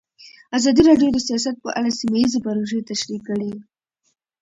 ازادي راډیو د سیاست په اړه سیمه ییزې پروژې تشریح کړې.